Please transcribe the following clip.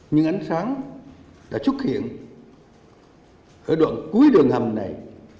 nhưng ánh sáng đã xuất hiện ở đoạn cuối đường hầm này